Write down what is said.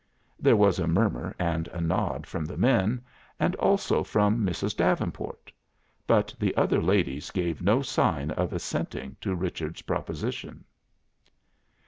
There was a murmur and a nod from the men, and also from Mrs. Davenport. But the other ladies gave no sign of assenting to Richard's proposition.